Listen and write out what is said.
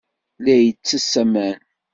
La itess aman.